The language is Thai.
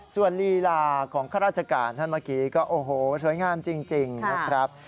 ส่วนลีลาของข้าราชการท่านเมื่อกี้ก็โอ้โหสวยงามจริงนะครับ